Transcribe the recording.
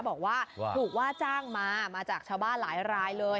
บอกว่าถูกว่าจ้างมามาจากชาวบ้านหลายรายเลย